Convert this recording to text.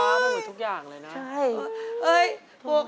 เป็นเรื่องราวของแม่นาคกับพี่ม่าครับ